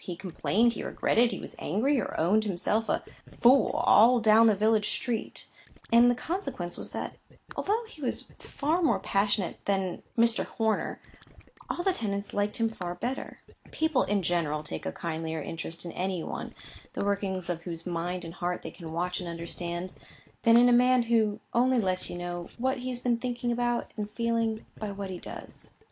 He complained, he regretted, he was angry, or owned himself a —— fool, all down the village street; and the consequence was that, although he was a far more passionate man than Mr. Horner, all the tenants liked him far better. People, in general, take a kindlier interest in any one, the workings of whose mind and heart they can watch and understand, than in a man who only lets you know what he has been thinking about and feeling, by what he does.